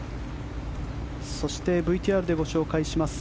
そしてＶＴＲでご紹介します。